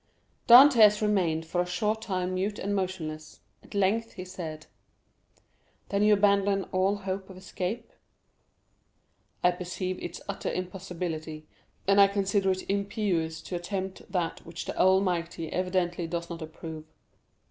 Dantès remained for a short time mute and motionless; at length he said: "Then you abandon all hope of escape?" "I perceive its utter impossibility; and I consider it impious to attempt that which the Almighty evidently does not approve."